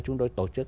chúng tôi tổ chức